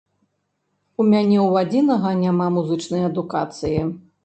У мяне ў адзінага няма музычнай адукацыі.